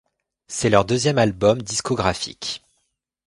C'est leur deuxième album discographique.